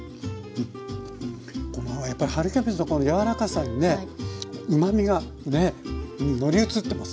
やっぱり春キャベツの柔らかさにねうまみがね乗り移ってますね。